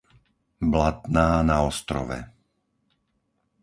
Blatná na Ostrove